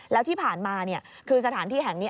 แล้วที่ผ่านมาคือสถานที่แห่งนี้